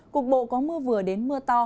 cục bộ có mưa vừa đến mưa to